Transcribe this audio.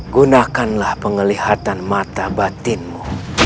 gunakanlah pengelihatan mata batinmu